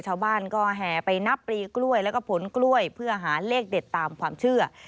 ชาวบ้านก็แห่ไปนับปลีกล้วยแล้วก็ผลกล้วยเพื่อหาเลขเด็ดตามความเชื่อ